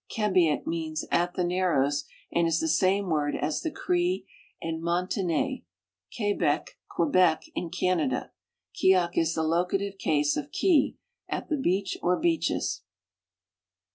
Kebe ik means " at the narrows," and is the same word as the Cree and Montagnais: Kebek, Quebec, in Canada ; kiak is the locative case of kie, " a^the beach or beaches."